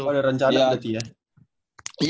tapi lo ada rencana berarti ya